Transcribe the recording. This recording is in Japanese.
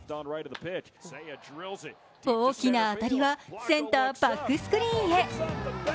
大きな当たりはセンターバックスクリーンへ。